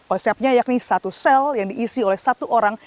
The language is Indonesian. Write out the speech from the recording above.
osepnya yakni satu sel yang diisi oleh satu orang